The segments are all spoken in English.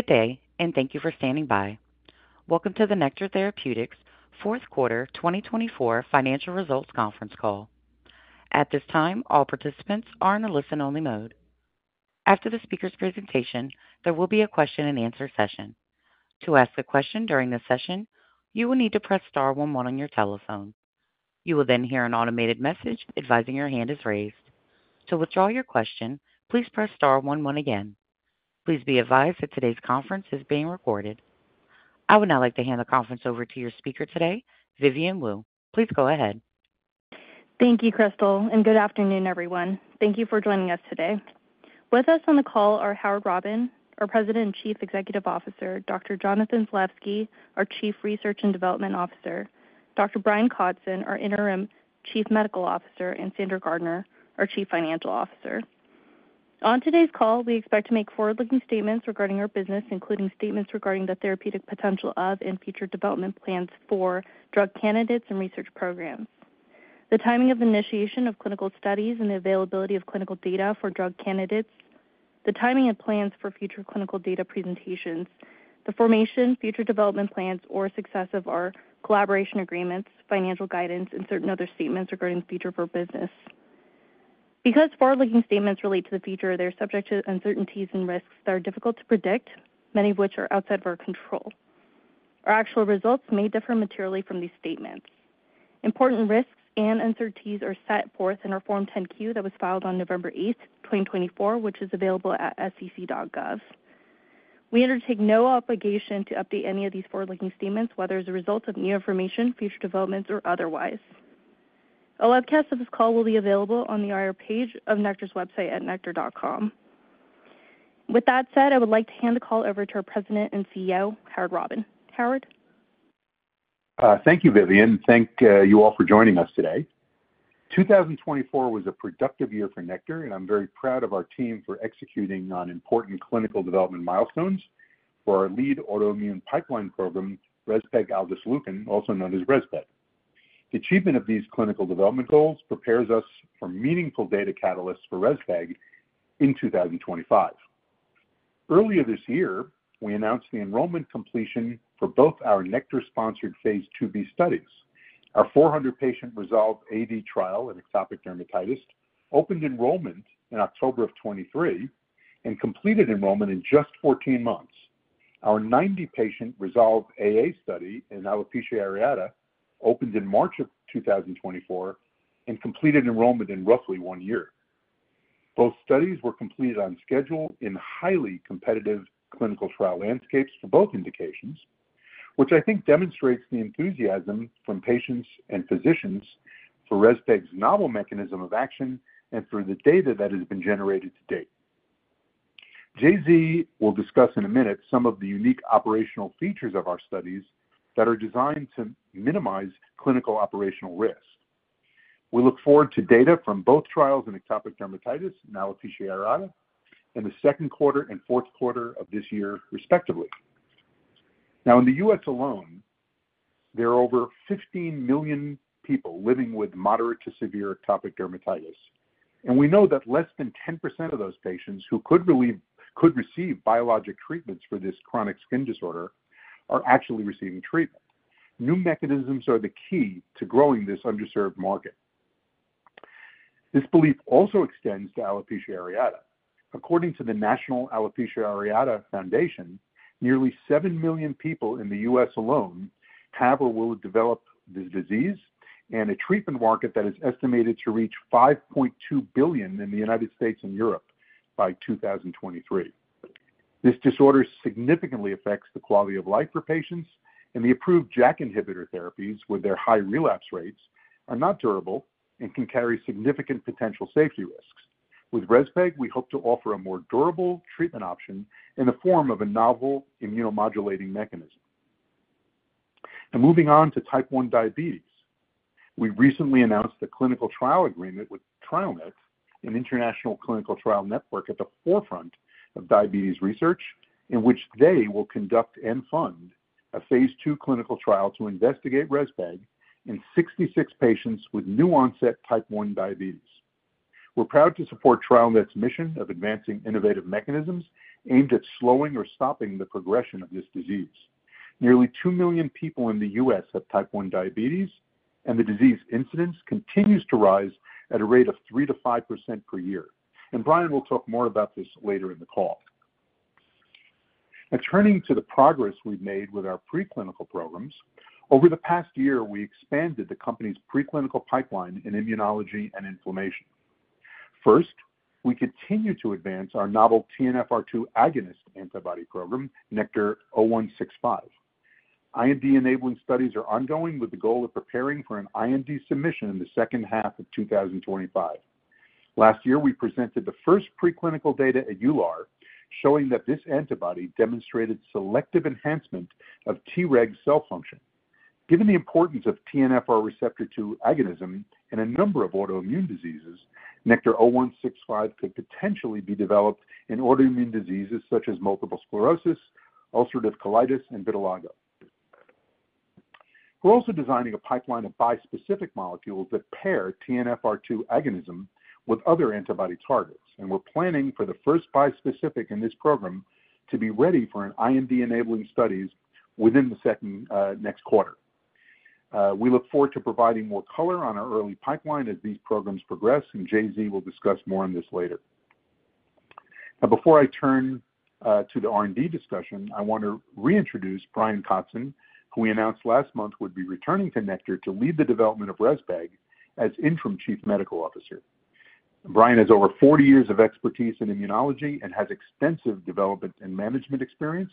Good day, and thank you for standing by. Welcome to the Nektar Therapeutics Q4 2024 Financial Results Conference Call. At this time, all participants are in a listen-only mode. After the speaker's presentation, there will be a question-and-answer session. To ask a question during this session, you will need to press star 11 on your telephone. You will then hear an automated message advising your hand is raised. To withdraw your question, please press star 11 again. Please be advised that today's conference is being recorded. I would now like to hand the conference over to your speaker today, Vivian Wu. Please go ahead. Thank you, Crystal, and good afternoon, everyone. Thank you for joining us today. With us on the call are Howard Robin, our President and Chief Executive Officer, Dr. Jonathan Zalevsky, our Chief Research and Development Officer, Dr. Brian Kotzin, our Interim Chief Medical Officer, and Sandra Gardiner, our Chief Financial Officer. On today's call, we expect to make forward-looking statements regarding our business, including statements regarding the therapeutic potential of and future development plans for drug candidates and research programs, the timing of initiation of clinical studies and the availability of clinical data for drug candidates, the timing and plans for future clinical data presentations, the formation, future development plans, or success of our collaboration agreements, financial guidance, and certain other statements regarding the future of our business. Because forward-looking statements relate to the future, they're subject to uncertainties and risks that are difficult to predict, many of which are outside of our control. Our actual results may differ materially from these statements. Important risks and uncertainties are set forth in our Form 10Q that was filed on November 8, 2024, which is available at sec.gov. We undertake no obligation to update any of these forward-looking statements, whether as a result of new information, future developments, or otherwise. A webcast of this call will be available on the IR page of Nektar's website at nektar.com. With that said, I would like to hand the call over to our President and CEO, Howard Robin. Howard? Thank you, Vivian. Thank you all for joining us today. 2024 was a productive year for Nektar, and I'm very proud of our team for executing on important clinical development milestones for our lead autoimmune pipeline program, Rezpegaldesleukin, also known as REZPEG The achievement of these clinical development goals prepares us for meaningful data catalysts for REZPEG in 2025. Earlier this year, we announced the enrollment completion for both our Nektar-sponsored Phase 2b studies. Our 400-patient Resolve AD trial in atopic dermatitis opened enrollment in October of 2023 and completed enrollment in just 14 months. Our 90-patient Resolve AA study in alopecia areata opened in March of 2024 and completed enrollment in roughly one year. Both studies were completed on schedule in highly competitive clinical trial landscapes for both indications, which I think demonstrates the enthusiasm from patients and physicians for REZPEG's novel mechanism of action and for the data that has been generated to date. JZ will discuss in a minute some of the unique operational features of our studies that are designed to minimize clinical operational risk. We look forward to data from both trials in atopic dermatitis and alopecia areata in the Q2 and Q4 of this year, respectively. Now, in the U.S. alone, there are over 15 million people living with moderate to severe atopic dermatitis. We know that less than 10% of those patients who could receive biologic treatments for this chronic skin disorder are actually receiving treatment. New mechanisms are the key to growing this underserved market. This belief also extends to alopecia areata. According to the National Alopecia Areata Foundation, nearly 7 million people in the U.S. alone have or will develop this disease, and a treatment market that is estimated to reach $5.2 billion in the United States and Europe by 2023. This disorder significantly affects the quality of life for patients, and the approved JAK inhibitor therapies, with their high relapse rates, are not durable and can carry significant potential safety risks. With REZPEG, we hope to offer a more durable treatment option in the form of a novel immunomodulating mechanism. Moving on to type 1 diabetes, we recently announced the clinical trial agreement with TrialNet, an international clinical trial network at the forefront of diabetes research, in which they will conduct and fund a Phase 2 clinical trial to investigate REZPEG in 66 patients with new-onset type 1 diabetes. We're proud to support TrialNet's mission of advancing innovative mechanisms aimed at slowing or stopping the progression of this disease. Nearly 2 million people in the U.S. have type 1 diabetes, and the disease incidence continues to rise at a rate of 3-5% per year. Brian will talk more about this later in the call. Now, turning to the progress we've made with our preclinical programs, over the past year, we expanded the company's preclinical pipeline in immunology and inflammation. First, we continue to advance our novel TNF-R2 agonist antibody program, Nektar 0165. IND-enabling studies are ongoing with the goal of preparing for an IND submission in the second half of 2025. Last year, we presented the first preclinical data at EULAR, showing that this antibody demonstrated selective enhancement of Treg cell function. Given the importance of TNF-R2 agonism in a number of autoimmune diseases, Nektar 0165 could potentially be developed in autoimmune diseases such as multiple sclerosis, ulcerative colitis, and vitiligo. We are also designing a pipeline of bispecific molecules that pair TNF-R2 agonism with other antibody targets. We are planning for the first bispecific in this program to be ready for IND-enabling studies within the second next quarter. We look forward to providing more color on our early pipeline as these programs progress, and Jay-Z will discuss more on this later. Now, before I turn to the R&D discussion, I want to reintroduce Brian Kotzin, who we announced last month would be returning to Nektar to lead the development of REZPEG as Interim Chief Medical Officer. Brian has over 40 years of expertise in immunology and has extensive development and management experience.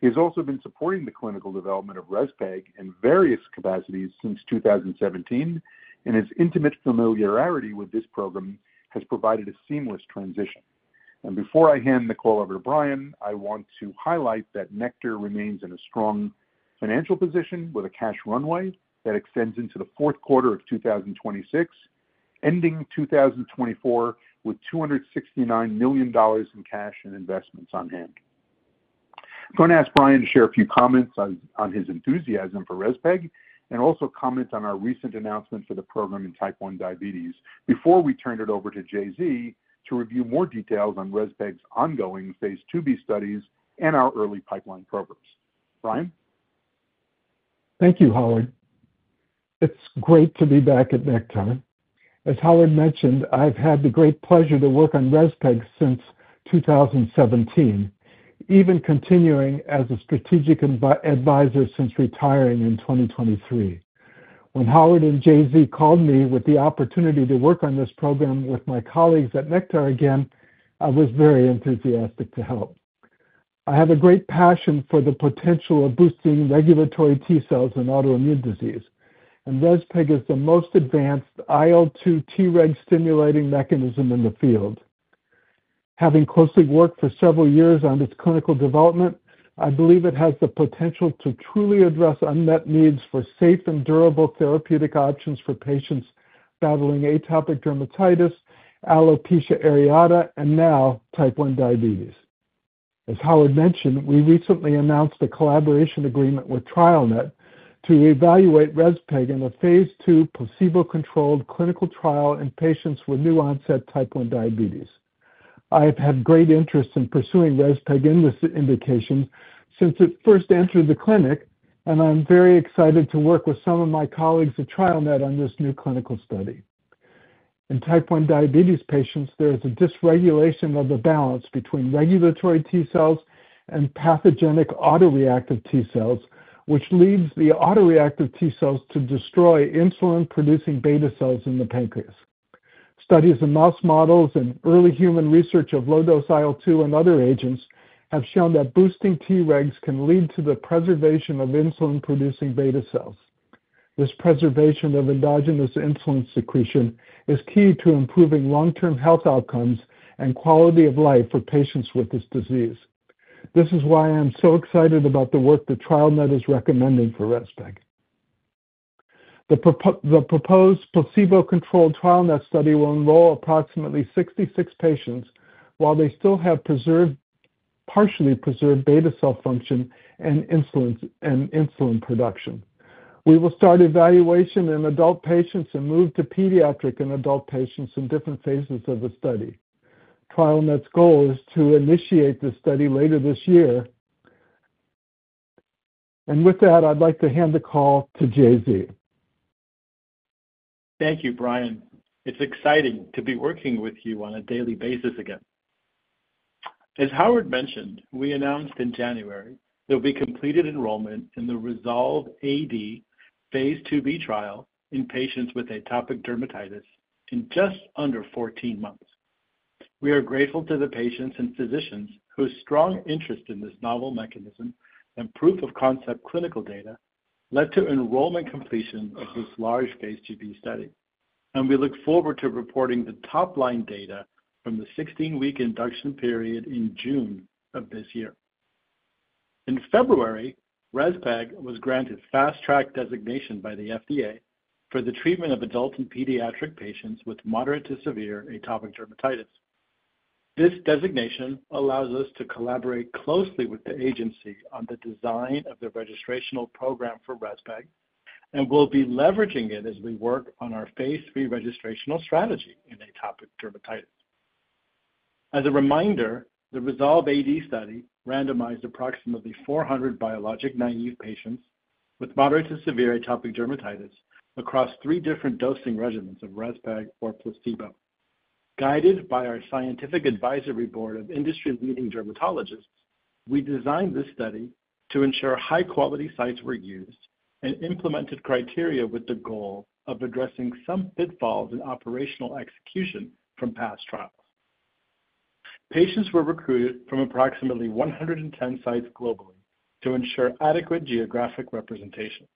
He has also been supporting the clinical development of REZPEG in various capacities since 2017, and his intimate familiarity with this program has provided a seamless transition. Before I hand the call over to Brian, I want to highlight that Nektar remains in a strong financial position with a cash runway that extends into the Q4 of 2026, ending 2024 with $269 million in cash and investments on hand. I'm going to ask Brian to share a few comments on his enthusiasm for REZPEG and also comment on our recent announcement for the program in type 1 diabetes before we turn it over to Jay-Z to review more details on REZPEG's ongoing Phase 2b studies and our early pipeline programs. Brian? Thank you, Howard. It's great to be back at Nektar. As Howard mentioned, I've had the great pleasure to work on REZPEG since 2017, even continuing as a strategic advisor since retiring in 2023. When Howard and Jay-Z called me with the opportunity to work on this program with my colleagues at Nektar again, I was very enthusiastic to help. I have a great passion for the potential of boosting regulatory T cells in autoimmune disease, and REZPEG is the most advanced IL-2 Treg stimulating mechanism in the field. Having closely worked for several years on its clinical development, I believe it has the potential to truly address unmet needs for safe and durable therapeutic options for patients battling atopic dermatitis, alopecia areata, and now type 1 diabetes. As Howard mentioned, we recently announced a collaboration agreement with TrialNet to evaluate REZPEG in a Phase 2 placebo-controlled clinical trial in patients with new-onset type 1 diabetes. I have had great interest in pursuing REZPEG in this indication since it first entered the clinic, and I'm very excited to work with some of my colleagues at TrialNet on this new clinical study. In type 1 diabetes patients, there is a dysregulation of the balance between regulatory T cells and pathogenic autoreactive T cells, which leads the autoreactive T cells to destroy insulin-producing beta cells in the pancreas. Studies in mouse models and early human research of low-dose IL-2 and other agents have shown that boosting Tregs can lead to the preservation of insulin-producing beta cells. This preservation of endogenous insulin secretion is key to improving long-term health outcomes and quality of life for patients with this disease. This is why I am so excited about the work that TrialNet is recommending for REZPEG. The proposed placebo-controlled TrialNet study will enroll approximately 66 patients while they still have partially preserved beta cell function and insulin production. We will start evaluation in adult patients and move to pediatric and adult patients in different phases of the study. TrialNet's goal is to initiate the study later this year. With that, I'd like to hand the call to JZ. Thank you, Brian. It's exciting to be working with you on a daily basis again. As Howard mentioned, we announced in January there will be completed enrollment in the Resolve AD Phase 2b trial in patients with atopic dermatitis in just under 14 months. We are grateful to the patients and physicians whose strong interest in this novel mechanism and proof-of-concept clinical data led to enrollment completion of this large Phase 2b study. We look forward to reporting the top-line data from the 16-week induction period in June of this year. In February, REZPEG was granted fast-track designation by the FDA for the treatment of adult and pediatric patients with moderate to severe atopic dermatitis. This designation allows us to collaborate closely with the agency on the design of the registrational program for REZPEG and will be leveraging it as we work on our phase 3 registrational strategy in atopic dermatitis. As a reminder, the Resolve AD study randomized approximately 400 biologic naive patients with moderate to severe atopic dermatitis across three different dosing regimens of REZPEG or placebo. Guided by our scientific advisory board of industry-leading dermatologists, we designed this study to ensure high-quality sites were used and implemented criteria with the goal of addressing some pitfalls in operational execution from past trials. Patients were recruited from approximately 110 sites globally to ensure adequate geographic representation.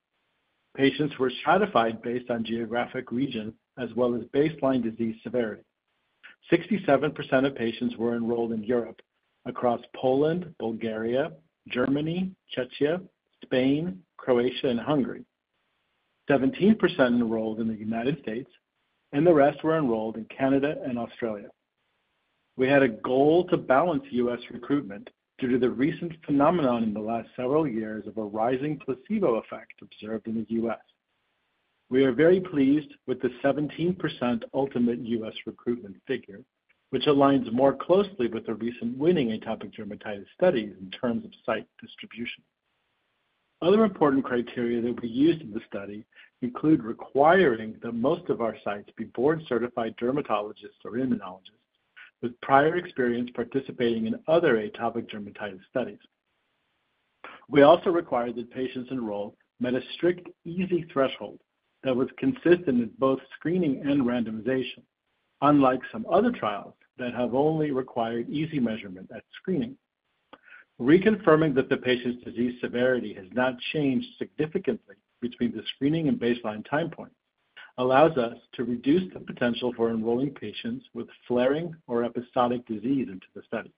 Patients were stratified based on geographic region as well as baseline disease severity. 67% of patients were enrolled in Europe across Poland, Bulgaria, Germany, Czechia, Spain, Croatia, and Hungary. 17% enrolled in the U.S., and the rest were enrolled in Canada and Australia. We had a goal to balance U.S. recruitment due to the recent phenomenon in the last several years of a rising placebo effect observed in the U.S. We are very pleased with the 17% ultimate U.S. recruitment figure, which aligns more closely with the recent winning atopic dermatitis studies in terms of site distribution. Other important criteria that we used in the study include requiring that most of our sites be board-certified dermatologists or immunologists with prior experience participating in other atopic dermatitis studies. We also required that patients enrolled met a strict EASI threshold that was consistent in both screening and randomization, unlike some other trials that have only required EASI measurement at screening. Reconfirming that the patient's disease severity has not changed significantly between the screening and baseline time points allows us to reduce the potential for enrolling patients with flaring or episodic disease into the study,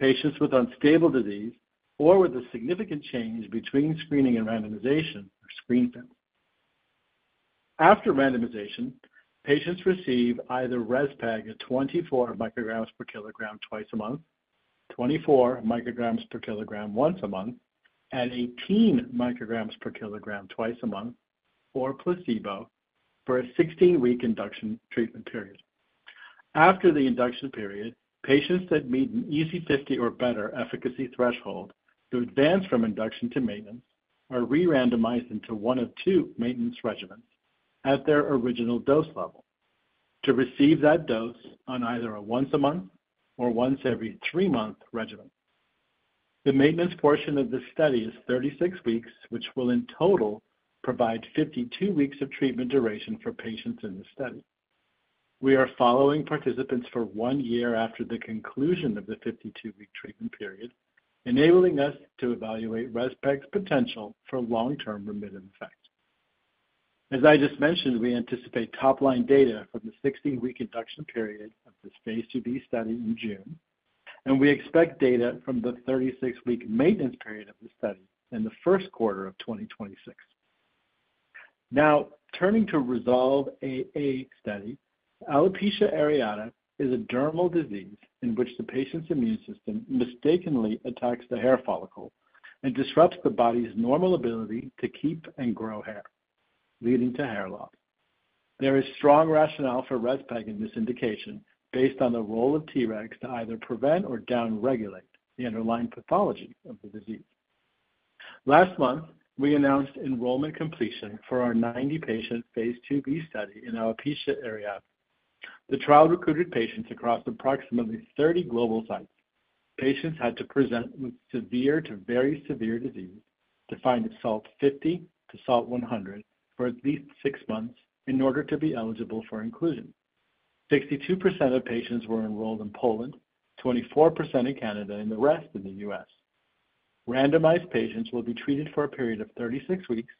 patients with unstable disease, or with a significant change between screening and randomization or screen test. After randomization, patients receive either REZPEG at 24 micrograms per kilogram twice a month, 24 micrograms per kilogram once a month, and 18 micrograms per kilogram twice a month or placebo for a 16-week induction treatment period. After the induction period, patients that meet an EASI 50 or better efficacy threshold to advance from induction to maintenance are re-randomized into one of two maintenance regimens at their original dose level to receive that dose on either a once-a-month or once-every-three-month regimen. The maintenance portion of this study is 36 weeks, which will in total provide 52 weeks of treatment duration for patients in this study. We are following participants for one year after the conclusion of the 52-week treatment period, enabling us to evaluate REZPEG's potential for long-term remittance effect. As I just mentioned, we anticipate top-line data from the 16-week induction period of this Phase 2b study in June, and we expect data from the 36-week maintenance period of the study in the Q1 of 2026. Now, turning to Resolve AA study, alopecia areata is a dermal disease in which the patient's immune system mistakenly attacks the hair follicle and disrupts the body's normal ability to keep and grow hair, leading to hair loss. There is strong rationale for REZPEG in this indication based on the role of Tregs to either prevent or downregulate the underlying pathology of the disease. Last month, we announced enrollment completion for our 90-patient Phase 2b study in alopecia areata. The trial recruited patients across approximately 30 global sites. Patients had to present with severe to very severe disease defined as SALT 50 to SALT 100 for at least six months in order to be eligible for inclusion. 62% of patients were enrolled in Poland, 24% in Canada, and the rest in the U.S. Randomized patients will be treated for a period of 36 weeks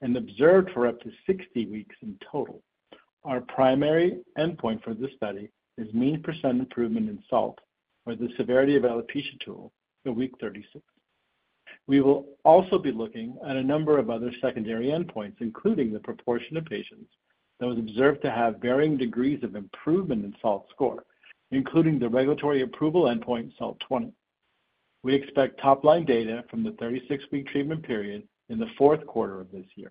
and observed for up to 60 weeks in total. Our primary endpoint for this study is mean percent improvement in SALT or the Severity of Alopecia Tool for week 36. We will also be looking at a number of other secondary endpoints, including the proportion of patients that were observed to have varying degrees of improvement in SALT score, including the regulatory approval endpoint SALT 20. We expect top-line data from the 36-week treatment period in the Q4 of this year.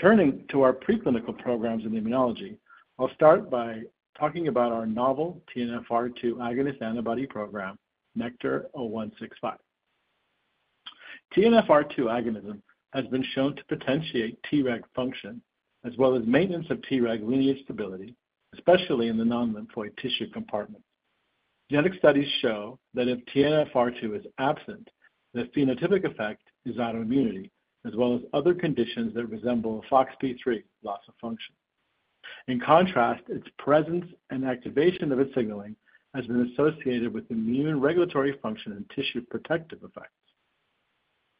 Turning to our preclinical programs in immunology, I'll start by talking about our novel TNF-R2 agonist antibody program, Nektar 0165. TNF-R2 agonism has been shown to potentiate Treg function as well as maintenance of Treg linear stability, especially in the non-lymphatic tissue compartment. Genetic studies show that if TNF-R2 is absent, the phenotypic effect is autoimmunity as well as other conditions that resemble a FOXP3 loss of function. In contrast, its presence and activation of its signaling has been associated with immune regulatory function and tissue protective effects.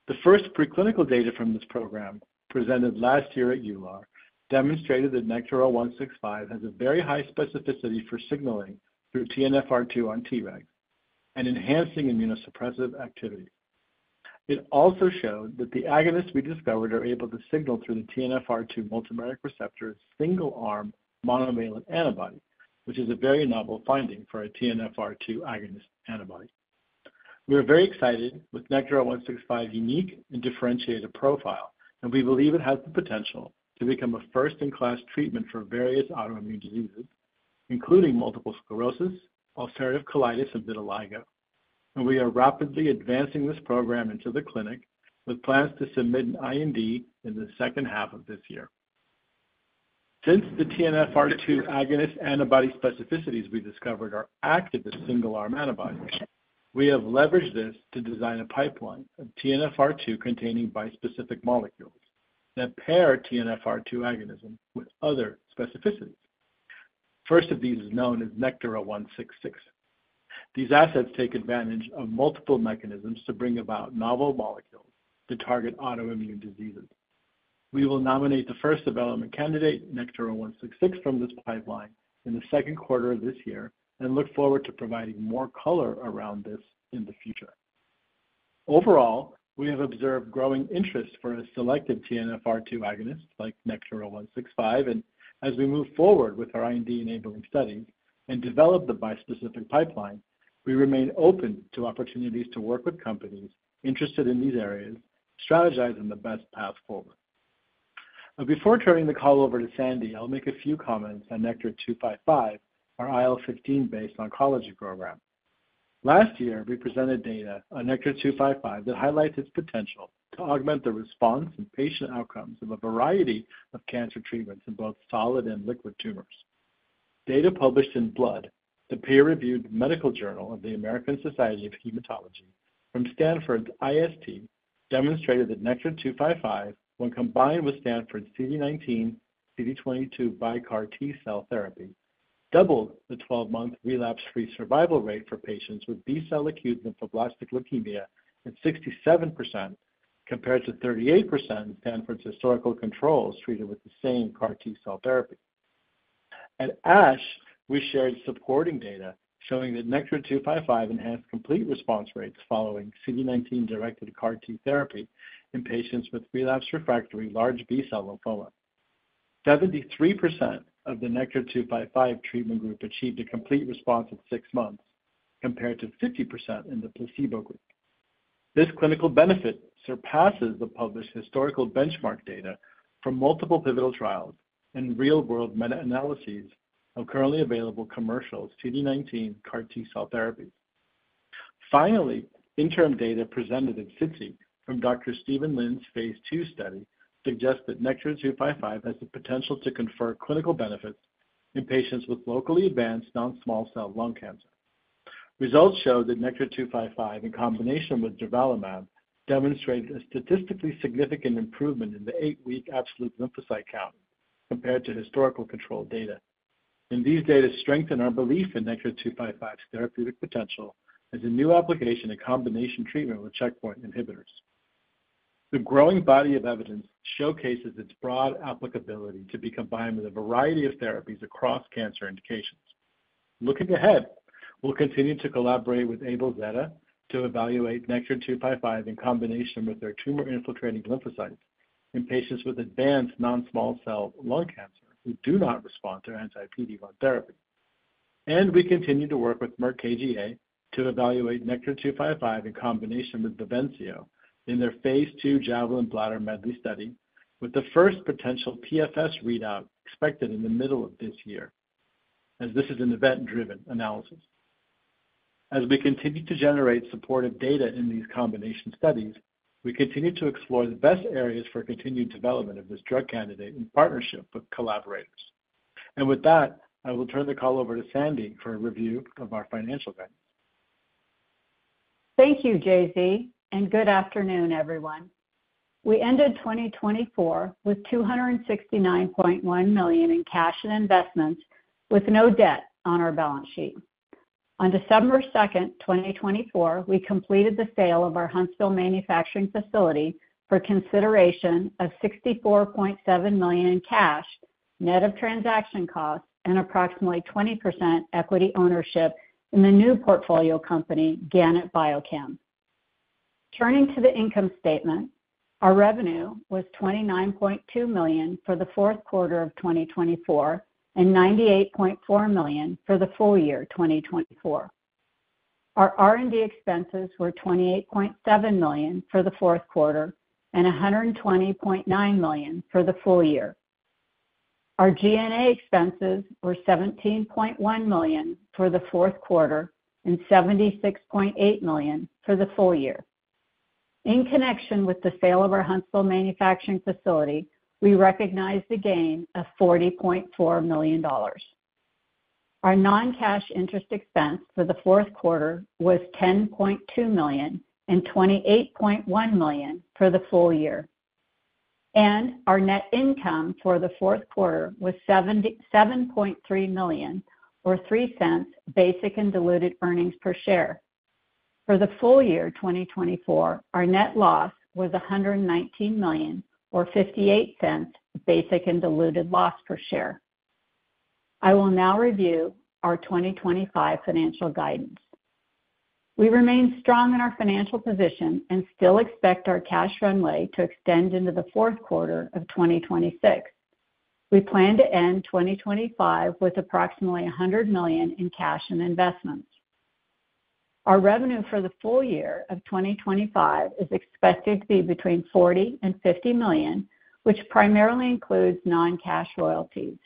The first preclinical data from this program presented last year at EULAR demonstrated that Nektar 0165 has a very high specificity for signaling through TNF-R2 on Tregs and enhancing immunosuppressive activity. It also showed that the agonists we discovered are able to signal through the TNF-R2 multimeric receptor's single-arm monovalent antibody, which is a very novel finding for a TNF-R2 agonist antibody. We are very excited with Nektar 0165's unique and differentiated profile, and we believe it has the potential to become a first-in-class treatment for various autoimmune diseases, including multiple sclerosis, ulcerative colitis, and vitiligo. We are rapidly advancing this program into the clinic with plans to submit an IND in the second half of this year. Since the TNF-R2 agonist antibody specificities we discovered are active as single-arm antibodies, we have leveraged this to design a pipeline of TNF-R2-containing bispecific molecules that pair TNF-R2 agonism with other specificities. The first of these is known as Nektar 0166. These assets take advantage of multiple mechanisms to bring about novel molecules to target autoimmune diseases. We will nominate the first development candidate, Nektar 0166, from this pipeline in the Q2 of this year and look forward to providing more color around this in the future. Overall, we have observed growing interest for a selective TNF-R2 agonist like Nektar 0165, and as we move forward with our IND-enabling studies and develop the bispecific pipeline, we remain open to opportunities to work with companies interested in these areas strategizing the best path forward. Before turning the call over to Sandy, I'll make a few comments on Nektar 255, our IL-15-based oncology program. Last year, we presented data on Nektar 255 that highlights its potential to augment the response and patient outcomes of a variety of cancer treatments in both solid and liquid tumors. Data published in Blood, the peer-reviewed medical journal of the American Society of Hematology from Stanford's IST, demonstrated that Nektar 255, when combined with Stanford's CD19/CD22 bi-CAR T-cell therapy, doubled the 12-month relapse-free survival rate for patients with B-cell acute lymphoblastic leukemia by 67% compared to 38% of Stanford's historical controls treated with the same CAR T-cell therapy. At ASH, we shared supporting data showing that Nektar 255 enhanced complete response rates following CD19-directed CAR T therapy in patients with relapse-refractory large B-cell lymphoma. 73% of the Nektar 255 treatment group achieved a complete response at six months compared to 50% in the placebo group. This clinical benefit surpasses the published historical benchmark data from multiple pivotal trials and real-world meta-analyses of currently available commercial CD19 CAR T-cell therapies. Finally, interim data presented at SITC from Dr. Steven Lin's Phase 2 study suggests that Nektar 255 has the potential to confer clinical benefits in patients with locally advanced non-small cell lung cancer. Results show that Nektar 255, in combination with durvalumab, demonstrated a statistically significant improvement in the eight-week absolute lymphocyte count compared to historical control data. These data strengthen our belief in Nektar 255's therapeutic potential as a new application in combination treatment with checkpoint inhibitors. The growing body of evidence showcases its broad applicability to be combined with a variety of therapies across cancer indications. Looking ahead, we'll continue to collaborate with AbelZeta to evaluate Nektar 255 in combination with their tumor-infiltrating lymphocytes in patients with advanced non-small cell lung cancer who do not respond to anti-PD-1 therapy. We continue to work with Merck KGaA to evaluate Nektar 255 in combination with Bavencio in their Phase 2 Javelin Bladder Medley study, with the first potential PFS readout expected in the middle of this year, as this is an event-driven analysis. As we continue to generate supportive data in these combination studies, we continue to explore the best areas for continued development of this drug candidate in partnership with collaborators. With that, I will turn the call over to Sandy for a review of our financial guidance. Thank you, JZ, and good afternoon, everyone. We ended 2024 with $269.1 million in cash and investments, with no debt on our balance sheet. On December 2, 2024, we completed the sale of our Huntsville manufacturing facility for consideration of $64.7 million in cash, net of transaction costs, and approximately 20% equity ownership in the new portfolio company, Gannett BioChem. Turning to the income statement, our revenue was $29.2 million for the Q4 of 2024 and $98.4 million for the full year 2024. Our R&D expenses were $28.7 million for the Q4 and $120.9 million for the full year. Our G&A expenses were $17.1 million for the Q4 and $76.8 million for the full year. In connection with the sale of our Huntsville manufacturing facility, we recognize the gain of $40.4 million. Our non-cash interest expense for the Q4 was $10.2 million and $28.1 million for the full year. Our net income for the Q4 was $7.3 million or $0.03 basic and diluted earnings per share. For the full year 2024, our net loss was $119 million or $0.58 basic and diluted loss per share. I will now review our 2025 financial guidance. We remain strong in our financial position and still expect our cash runway to extend into the Q4 of 2026. We plan to end 2025 with approximately $100 million in cash and investments. Our revenue for the full year of 2025 is expected to be between $40 million-$50 million, which primarily includes non-cash royalties.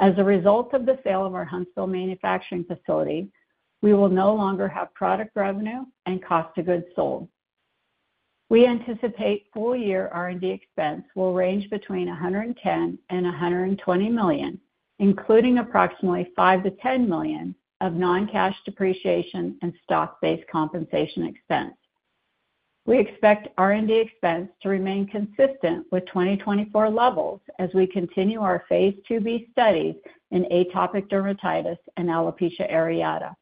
As a result of the sale of our Huntsville manufacturing facility, we will no longer have product revenue and cost of goods sold. We anticipate full-year R&D expense will range between $110 million-$120 million, including approximately $5 million-$10 million of non-cash depreciation and stock-based compensation expense. We expect R&D expense to remain consistent with 2024 levels as we continue our Phase 2b studies in atopic dermatitis and alopecia areata.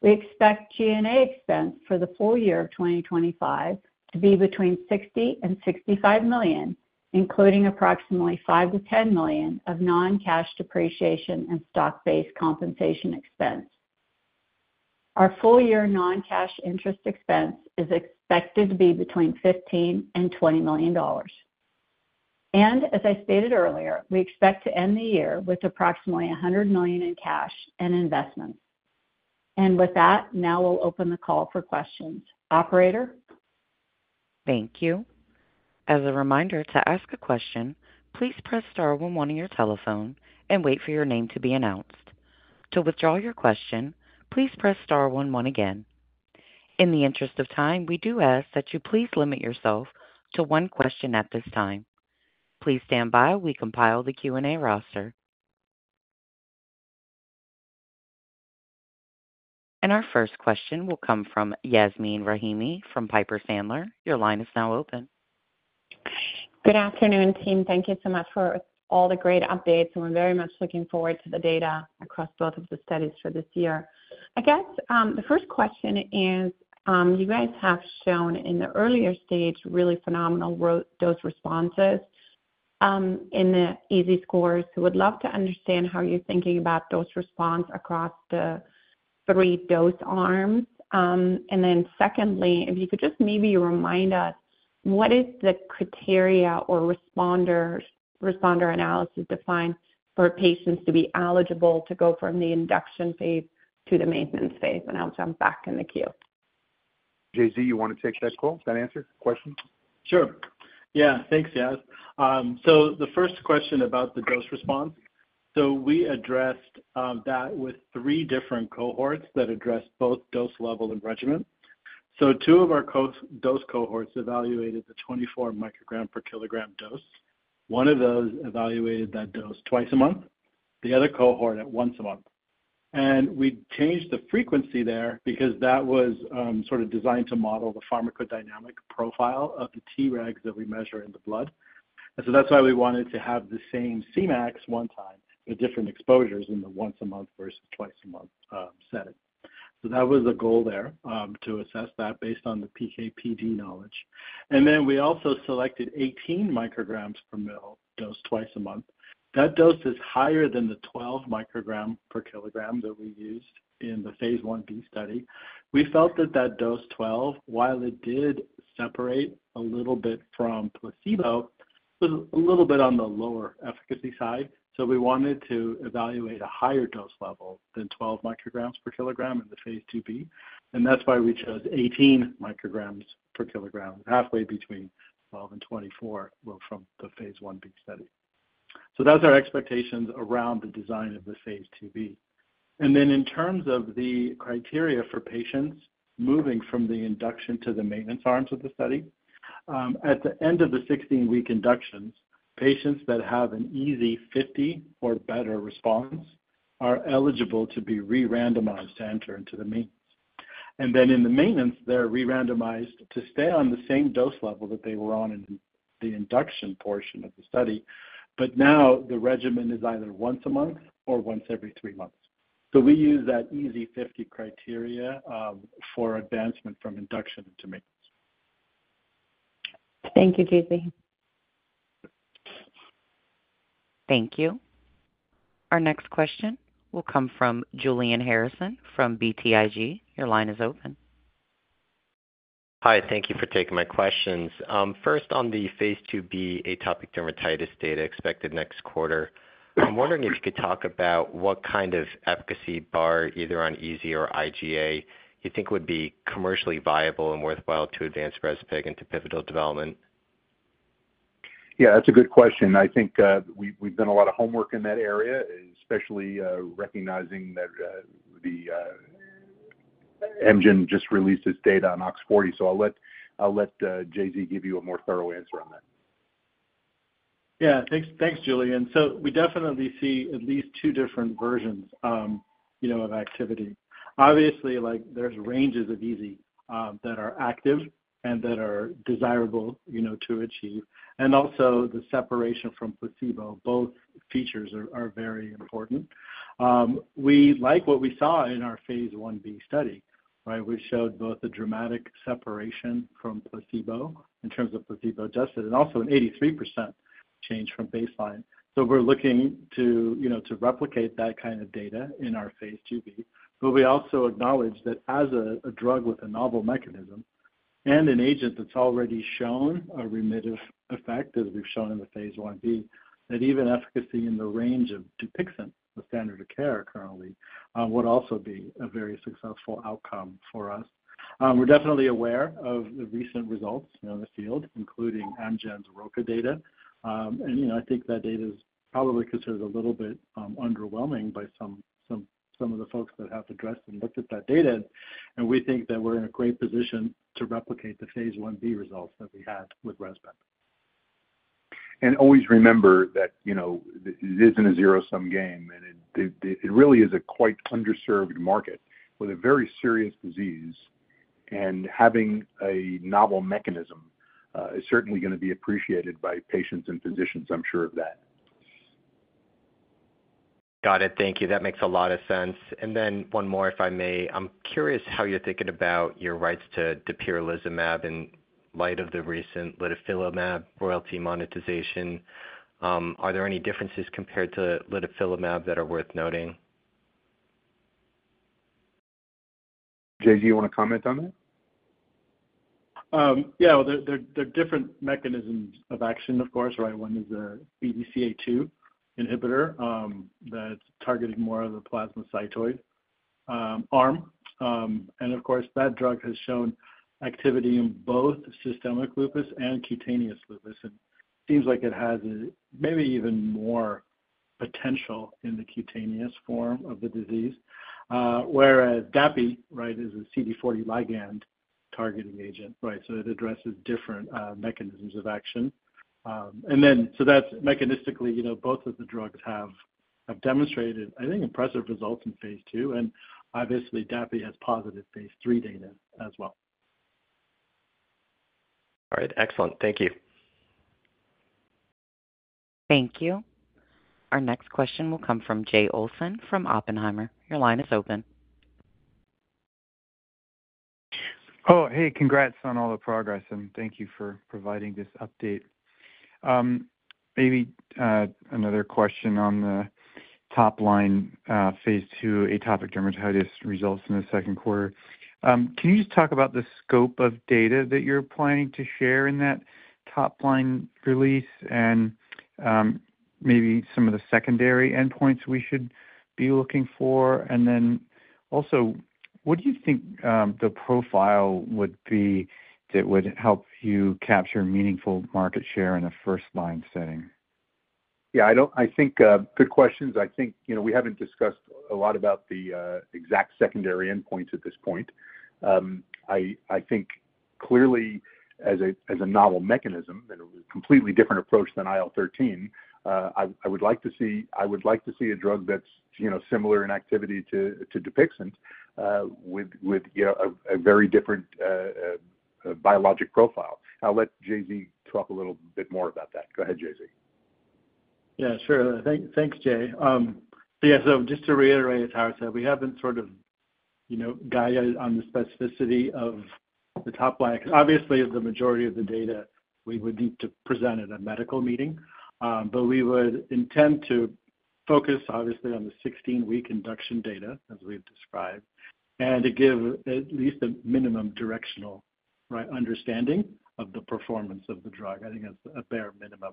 We expect G&A expense for the full year of 2025 to be between $60 million and $65 million, including approximately $5 million-$10 million of non-cash depreciation and stock-based compensation expense. Our full-year non-cash interest expense is expected to be between $15 million-$20 million. As I stated earlier, we expect to end the year with approximately $100 million in cash and investments. With that, now we'll open the call for questions. Operator? Thank you. As a reminder, to ask a question, please press star 11 on your telephone and wait for your name to be announced. To withdraw your question, please press star 11 again. In the interest of time, we do ask that you please limit yourself to one question at this time. Please stand by while we compile the Q&A roster. Our first question will come from Yasmeen Rahimi from Piper Sandler. Your line is now open. Good afternoon, team. Thank you so much for all the great updates. We're very much looking forward to the data across both of the studies for this year. I guess the first question is, you guys have shown in the earlier stage really phenomenal dose responses in the EASI scores. We'd love to understand how you're thinking about dose response across the three dose arms. Secondly, if you could just maybe remind us, what is the criteria or responder analysis defined for patients to be eligible to go from the induction phase to the maintenance phase? I'll jump back in the queue. JZ, you want to take that call? Does that answer the question? Sure. Yeah. Thanks, Yas. The first question about the dose response. We addressed that with three different cohorts that addressed both dose level and regimen. Two of our dose cohorts evaluated the 24 microgram per kilogram dose. One of those evaluated that dose twice a month. The other cohort at once a month. We changed the frequency there because that was sort of designed to model the pharmacodynamic profile of the Tregs that we measure in the blood. That is why we wanted to have the same Cmax one time, the different exposures in the once a month versus twice a month setting. That was the goal there, to assess that based on the PK/PD knowledge. We also selected 18 micrograms per kilogram dose twice a month. That dose is higher than the 12 microgram per kilogram that we used in the Phase 1B study. We felt that that dose 12, while it did separate a little bit from placebo, was a little bit on the lower efficacy side. We wanted to evaluate a higher dose level than 12 micrograms per kilogram in the Phase 2b. That is why we chose 18 micrograms per kilogram, halfway between 12 and 24 from the Phase 1B study. That is our expectations around the design of the Phase 2b. In terms of the criteria for patients moving from the induction to the maintenance arms of the study, at the end of the 16-week inductions, patients that have an EASI 50 or better response are eligible to be re-randomized to enter into the maintenance. In the maintenance, they are re-randomized to stay on the same dose level that they were on in the induction portion of the study. But now the regimen is either once a month or once every three months. We use that EASI 50 criteria for advancement from induction to maintenance. Thank you, JZ. Thank you. Our next question will come from Julian Harrison from BTIG. Your line is open. Hi. Thank you for taking my questions. First, on the Phase 2b atopic dermatitis data expected next quarter, I'm wondering if you could talk about what kind of efficacy bar, either on EASI or IGA, you think would be commercially viable and worthwhile to advance REZPEG into pivotal development? Yeah, that's a good question. I think we've done a lot of homework in that area, especially recognizing that Amgen just released its data on OX-40. I'll let JZ give you a more thorough answer on that. Yeah. Thanks, Julian. We definitely see at least two different versions of activity. Obviously, there are ranges of EASI that are active and that are desirable to achieve. Also, the separation from placebo, both features are very important. We like what we saw in our Phase 1B study, right, which showed both a dramatic separation from placebo in terms of placebo-adjusted and also an 83% change from baseline. We are looking to replicate that kind of data in our Phase 2b. We also acknowledge that as a drug with a novel mechanism and an agent that has already shown a remissive effect, as we have shown in the Phase 1B, even efficacy in the range of Dupixent, the standard of care currently, would also be a very successful outcome for us. We are definitely aware of the recent results in the field, including Amgen's ROCKET data. I think that data is probably considered a little bit underwhelming by some of the folks that have addressed and looked at that data. We think that we're in a great position to replicate the Phase 1B results that we had with respect. Always remember that it isn't a zero-sum game. It really is a quite underserved market with a very serious disease. Having a novel mechanism is certainly going to be appreciated by patients and physicians, I'm sure of that. Got it. Thank you. That makes a lot of sense. One more, if I may. I'm curious how you're thinking about your rights to Dupixent in light of the recent litifilimab royalty monetization. Are there any differences compared to litifilimab that are worth noting? JZ, you want to comment on that? Yeah. There are different mechanisms of action, of course, right? One is the BDCA2 inhibitor that's targeting more of the plasmacytoid arm. And of course, that drug has shown activity in both systemic lupus and cutaneous lupus. It seems like it has maybe even more potential in the cutaneous form of the disease, whereas Dapi, right, is a CD40 ligand targeting agent, right? It addresses different mechanisms of action. Mechanistically, both of the drugs have demonstrated, I think, impressive results in Phase 2. Obviously, Dapi has positive phase 3 data as well. All right. Excellent. Thank you. Thank you. Our next question will come from Jay Olson from Oppenheimer. Your line is open. Oh, hey, congrats on all the progress. Thank you for providing this update. Maybe another question on the top line, Phase 2 atopic dermatitis results in the Q2. Can you just talk about the scope of data that you're planning to share in that top line release and maybe some of the secondary endpoints we should be looking for? Also, what do you think the profile would be that would help you capture meaningful market share in a first-line setting? Yeah. I think good questions. I think we haven't discussed a lot about the exact secondary endpoints at this point. I think clearly, as a novel mechanism and a completely different approach than IL-13, I would like to see a drug that's similar in activity to Dupixent with a very different biologic profile. I'll let JZ talk a little bit more about that. Go ahead, JZ. Yeah. Sure. Thanks, Jay. Yeah. Just to reiterate how I said, we haven't sort of guided on the specificity of the top line. Obviously, the majority of the data we would need to present at a medical meeting. We would intend to focus, obviously, on the 16-week induction data, as we've described, and to give at least a minimum directional, right, understanding of the performance of the drug. I think that's a bare minimum.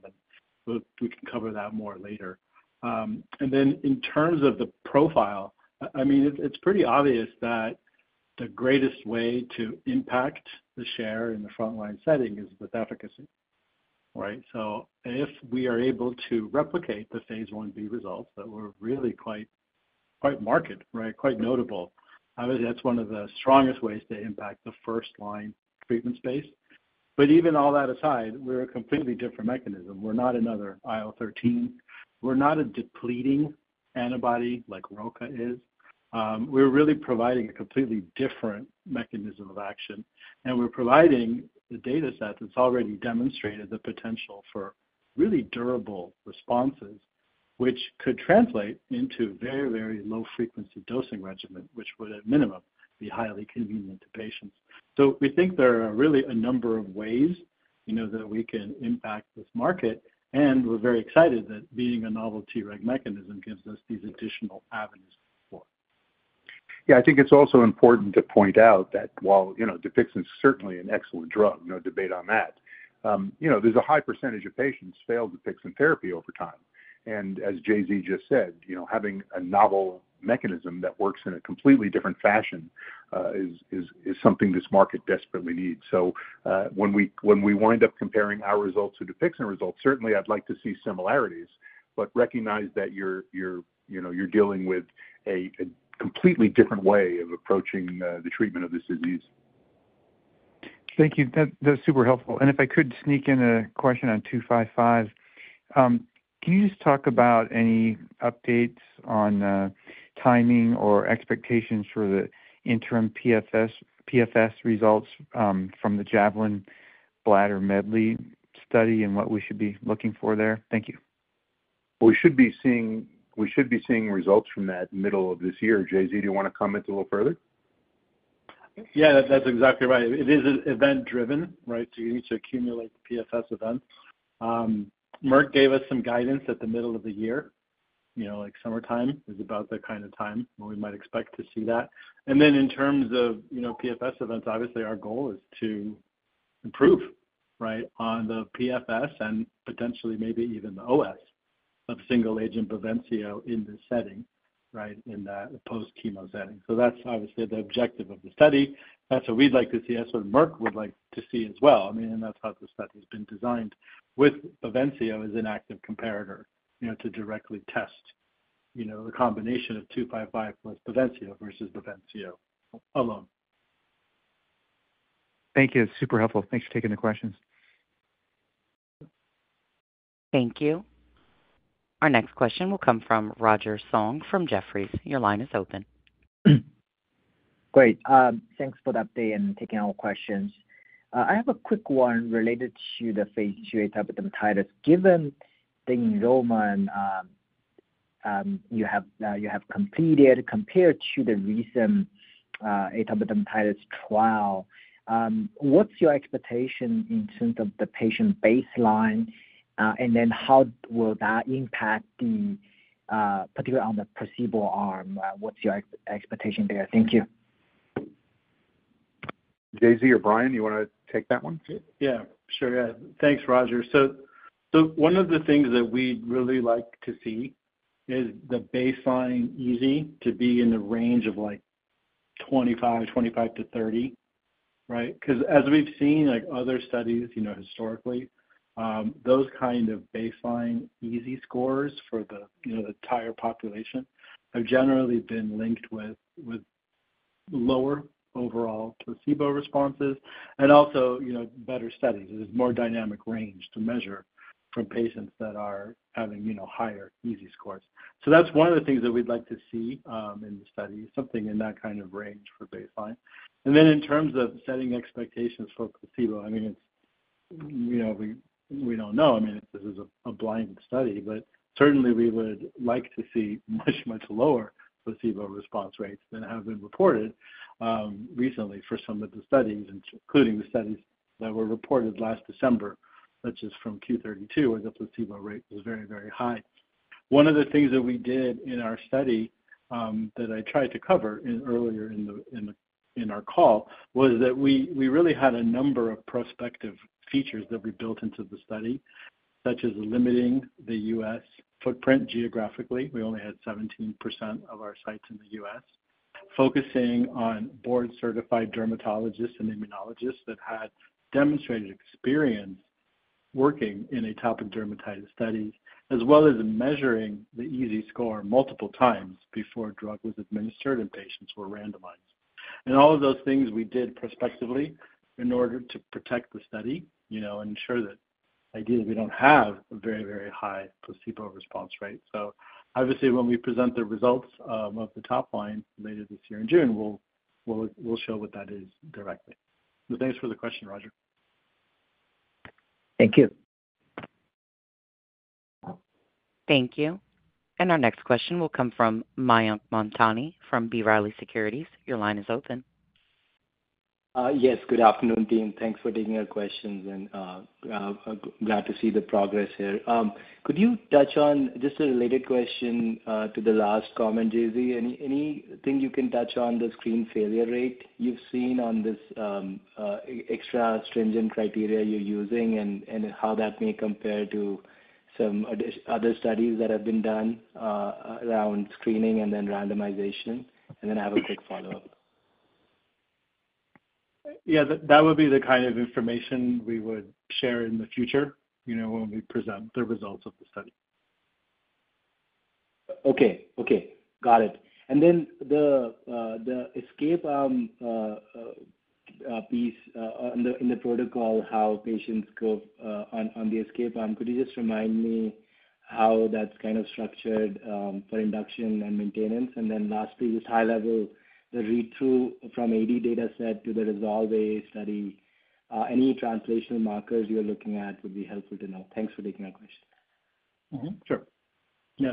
We can cover that more later. In terms of the profile, I mean, it's pretty obvious that the greatest way to impact the share in the front-line setting is with efficacy, right? If we are able to replicate the Phase 1B results that were really quite marked, right, quite notable, obviously, that's one of the strongest ways to impact the first-line treatment space. Even all that aside, we're a completely different mechanism. We're not another IL-13. We're not a depleting antibody like RocA is. We're really providing a completely different mechanism of action. We are providing the data set that has already demonstrated the potential for really durable responses, which could translate into a very, very low-frequency dosing regimen, which would, at minimum, be highly convenient to patients. We think there are really a number of ways that we can impact this market. We are very excited that being a novel Treg mechanism gives us these additional avenues for it. I think it is also important to point out that while Dupixent is certainly an excellent drug, no debate on that, there is a high percentage of patients who fail Dupixent therapy over time. As JZ just said, having a novel mechanism that works in a completely different fashion is something this market desperately needs. When we wind up comparing our results to Dupixent results, certainly, I'd like to see similarities, but recognize that you're dealing with a completely different way of approaching the treatment of this disease. Thank you. That's super helpful. If I could sneak in a question on 255, can you just talk about any updates on timing or expectations for the interim PFS results from the Javelin Bladder Medley study and what we should be looking for there? Thank you. We should be seeing results from that middle of this year. JZ, do you want to comment a little further? Yeah. That's exactly right. It is event-driven, right? You need to accumulate PFS events. Merck gave us some guidance at the middle of the year, like summertime is about the kind of time where we might expect to see that. In terms of PFS events, obviously, our goal is to improve, right, on the PFS and potentially maybe even the OS of single-agent Bavencio in this setting, right, in the post-chemo setting. That is obviously the objective of the study. That is what we'd like to see. That is what Merck would like to see as well. I mean, that is how the study has been designed, with Bavencio as an active comparator to directly test the combination of 255 plus Bavencio versus Bavencio alone. Thank you. That is super helpful. Thanks for taking the questions. Thank you. Our next question will come from Roger Song from Jefferies. Your line is open. Great. Thanks for the update and taking our questions. I have a quick one related to the Phase 2 atopic dermatitis. Given the enrollment you have completed compared to the recent atopic dermatitis trial, what's your expectation in terms of the patient baseline? What is your expectation there? Thank you. JZ or Brian, you want to take that one? Yeah. Sure. Yeah. Thanks, Roger. One of the things that we'd really like to see is the baseline EASI to be in the range of like 25, 25-30, right? Because as we've seen other studies historically, those kind of baseline EASI scores for the entire population have generally been linked with lower overall placebo responses and also better studies. There is more dynamic range to measure from patients that are having higher EASI scores. That is one of the things that we'd like to see in the study, something in that kind of range for baseline. In terms of setting expectations for placebo, I mean, we do not know. I mean, this is a blind study. Certainly, we would like to see much, much lower placebo response rates than have been reported recently for some of the studies, including the studies that were reported last December, such as from Q32, where the placebo rate was very, very high. One of the things that we did in our study that I tried to cover earlier in our call was that we really had a number of prospective features that we built into the study, such as limiting the U.S. footprint geographically. We only had 17% of our sites in the U.S., focusing on board-certified dermatologists and immunologists that had demonstrated experience working in atopic dermatitis studies, as well as measuring the EASI score multiple times before drug was administered and patients were randomized. All of those things we did prospectively in order to protect the study and ensure that ideally, we do not have a very, very high placebo response rate. Obviously, when we present the results of the top line later this year in June, we will show what that is directly. Thank you for the question, Roger. Thank you. Thank you. Our next question will come from Mayank Mamtani from B. Riley Securities. Your line is open. Yes. Good afternoon, Dean. Thanks for taking our questions. Glad to see the progress here. Could you touch on just a related question to the last comment, JZ? Anything you can touch on the screen failure rate you have seen on this extra stringent criteria you are using and how that may compare to some other studies that have been done around screening and then randomization? I have a quick follow-up. Yeah. That would be the kind of information we would share in the future when we present the results of the study. Okay. Okay. Got it. And then the escape arm piece in the protocol, how patients go on the escape arm, could you just remind me how that's kind of structured for induction and maintenance? And then lastly, just high-level, the read-through from AD data set to the Resolve A study, any translational markers you're looking at would be helpful to know. Thanks for taking our question. Sure. Yeah.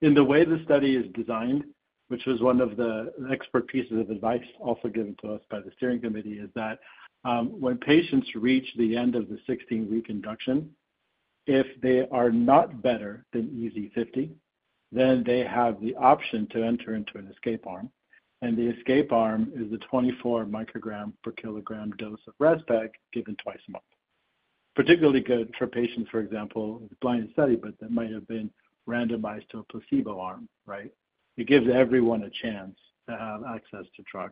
In the way the study is designed, which was one of the expert pieces of advice also given to us by the steering committee, is that when patients reach the end of the 16-week induction, if they are not better than EASI 50, then they have the option to enter into an escape arm. The escape arm is the 24 microgram per kilogram dose of Rezpegaldesleukin given twice a month, particularly good for patients, for example, with blind study, but that might have been randomized to a placebo arm, right? It gives everyone a chance to have access to drug.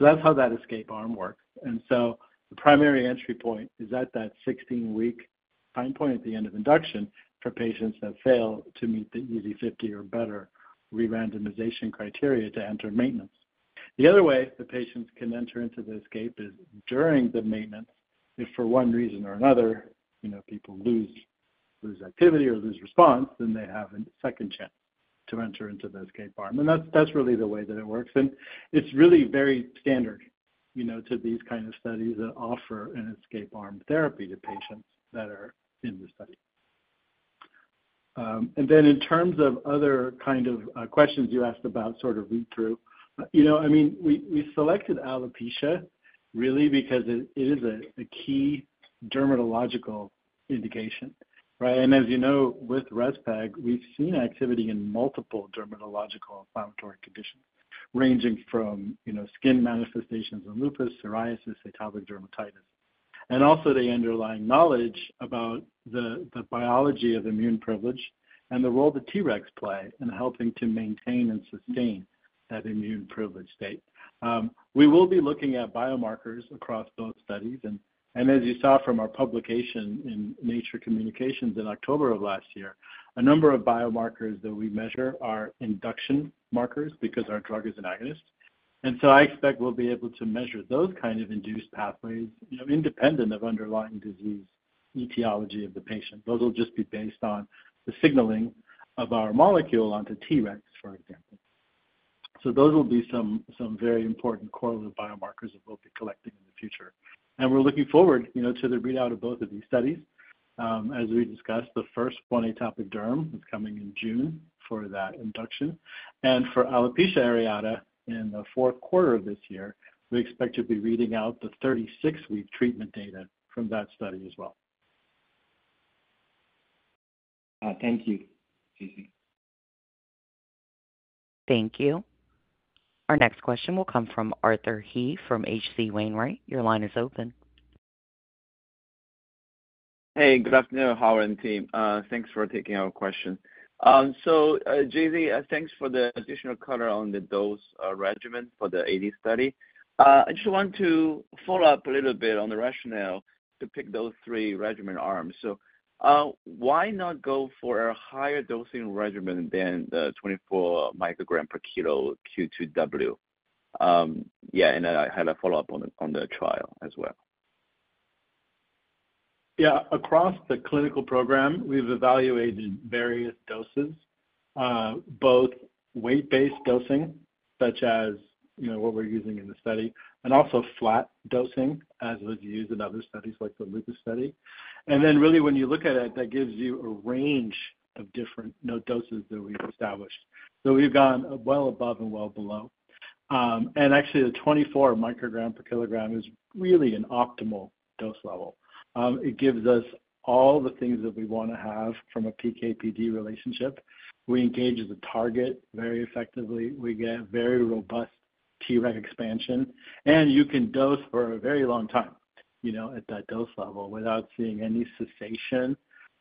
That is how that escape arm works. The primary entry point is at that 16-week time point at the end of induction for patients that fail to meet the EASI 50 or better rerandomization criteria to enter maintenance. The other way that patients can enter into the escape is during the maintenance, if for one reason or another, people lose activity or lose response, then they have a second chance to enter into the escape arm. That is really the way that it works. It is really very standard to these kind of studies that offer an escape arm therapy to patients that are in the study. In terms of other kind of questions you asked about sort of read-through, I mean, we selected alopecia really because it is a key dermatological indication, right? As you know, with REZPEG, we've seen activity in multiple dermatological inflammatory conditions ranging from skin manifestations of lupus, psoriasis, atopic dermatitis. Also the underlying knowledge about the biology of immune privilege and the role that Tregs play in helping to maintain and sustain that immune privilege state. We will be looking at biomarkers across both studies. As you saw from our publication in Nature Communications in October of last year, a number of biomarkers that we measure are induction markers because our drug is an agonist. I expect we'll be able to measure those kind of induced pathways independent of underlying disease etiology of the patient. Those will just be based on the signaling of our molecule onto Tregs, for example. Those will be some very important correlative biomarkers that we'll be collecting in the future. We're looking forward to the readout of both of these studies. As we discussed, the first one, atopic derm, is coming in June for that induction. For alopecia areata in the Q4 of this year, we expect to be reading out the 36-week treatment data from that study as well. Thank you, JZ. Thank you. Our next question will come from Arthur He from H.C. Wainwright. Your line is open. Hey. Good afternoon, Howard and team. Thanks for taking our question. JZ, thanks for the additional color on the dose regimen for the AD study. I just want to follow up a little bit on the rationale to pick those three regimen arms. Why not go for a higher dosing regimen than the 24 microgram per kilo Q2W? Yeah. I had a follow-up on the trial as well. Yeah. Across the clinical program, we've evaluated various doses, both weight-based dosing, such as what we're using in the study, and also flat dosing as was used in other studies like the lupus study. Really, when you look at it, that gives you a range of different doses that we've established. We've gone well above and well below. Actually, the 24 microgram per kilogram is really an optimal dose level. It gives us all the things that we want to have from a PK/PD relationship. We engage the target very effectively. We get very robust Treg expansion. You can dose for a very long time at that dose level without seeing any cessation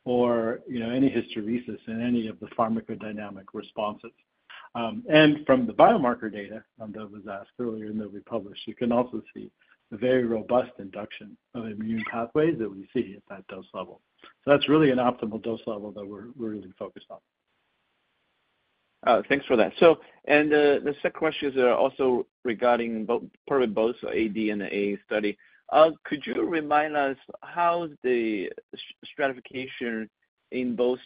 or any hysteresis in any of the pharmacodynamic responses. From the biomarker data that was asked earlier and that we published, you can also see a very robust induction of immune pathways that we see at that dose level. That is really an optimal dose level that we are really focused on. Thanks for that. The second question is also regarding probably both AD and the AA study. Could you remind us how the stratification in both.